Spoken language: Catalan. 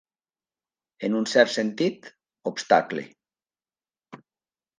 En un cert sentit, obstacle.